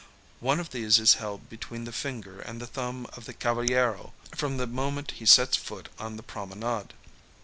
One of these is held between the finger and thumb of the cavallero, from the moment he sets foot on the promenade.